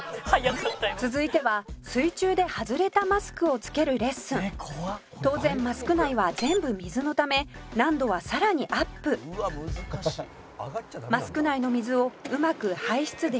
「続いては水中で外れたマスクを着けるレッスン」「当然マスク内は全部水のため難度はさらにアップ」「マスク内の水をうまく排出できるんでしょうか？」